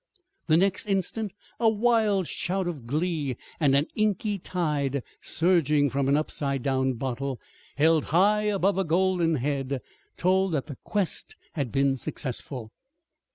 The next instant a wild shout of glee and an inky tide surging from an upside down bottle, held high above a golden head, told that the quest had been successful.